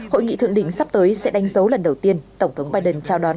hội nghị thượng đỉnh sắp tới sẽ đánh dấu lần đầu tiên tổng thống biden trao đón